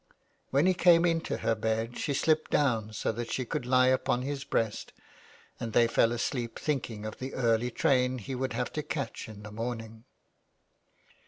" When he came into her bed she slipped down so that she could lie upon his breast, and they fell asleep thinking of the early train he would have to catch in the morning.